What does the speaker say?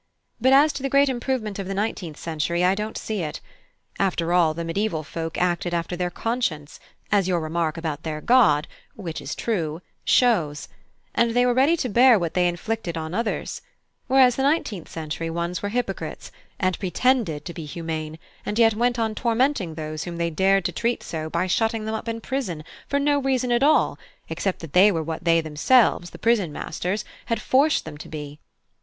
But as to the great improvement of the nineteenth century, I don't see it. After all, the Mediaeval folk acted after their conscience, as your remark about their God (which is true) shows, and they were ready to bear what they inflicted on others; whereas the nineteenth century ones were hypocrites, and pretended to be humane, and yet went on tormenting those whom they dared to treat so by shutting them up in prison, for no reason at all, except that they were what they themselves, the prison masters, had forced them to be.